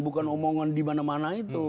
bukan omongan di mana mana itu